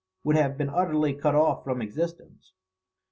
] would have been utterly cut off from existence.